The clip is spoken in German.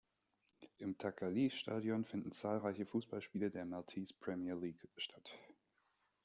Im Ta’ Qali-Stadion finden zahlreiche Fußballspiele der Maltese Premier League statt.